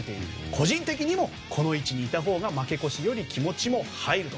個人的にも、この位置にいたほうが負け越しより気持ちも入ると。